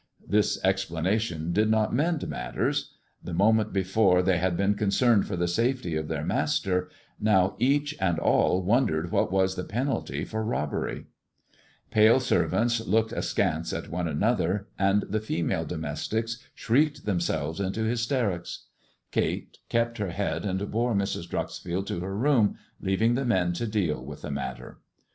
This explanation did not mend matters, The moment before they had been concerned for the safety of their master, now each and all wondered what was the penalty 1 348 TRK IVORY LEG AND THE DIAMONDS for robbery. Palo servants looked askance at one another, and tlie fenialo domestics slirieked themselves into hystenoa. Kate kept her head and l>ore Mrs. Dreuxfield to her toOHi leaving the men to deal with the matter.